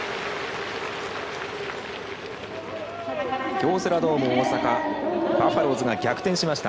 京セラドーム大阪バファローズが逆転しました。